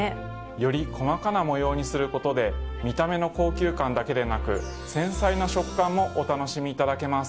より細かな模様にすることで見た目の高級感だけでなく繊細な食感もお楽しみいただけます。